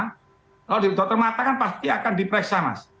kalau di dokter mata kan pasti akan diperiksa mas